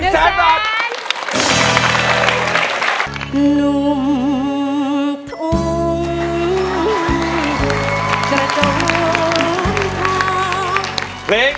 ๑แสน